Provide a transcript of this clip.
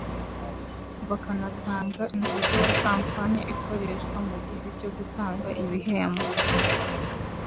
bakanatanga inzoga ya champagne ikoreshwa mu gihe cyo gutanga ibihembo